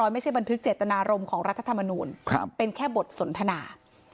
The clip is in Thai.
ไม่ใช่บันทึกเจตนารมณ์ของรัฐธรรมนูลเป็นแค่บทสนทนา